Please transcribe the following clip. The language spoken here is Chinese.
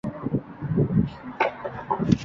其中还办理与浙江第一码头的水铁转运业务。